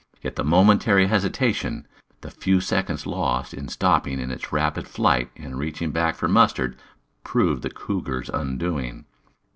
Yet the momentary hesitation, the few seconds lost in stopping in its rapid flight and reaching back for Mustard, proved the cougar's undoing.